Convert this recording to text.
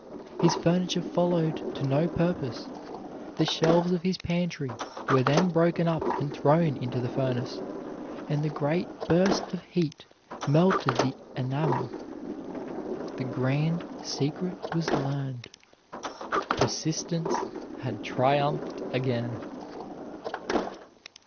His furniture followed to no purpose. The shelves of his pantry were then broken up and thrown into the furnace; and the great burst of heat melted the enamel. The grand secret was learned. Persistence had triumphed again.